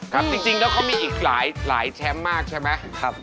ครับจริงแล้วเขามีอีกหลายแชมป์มากใช่ไหมครับครับ